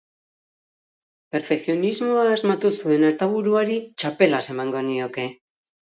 Perfekzionismoa asmatu zuen artaburuari txapelaz emango nioke.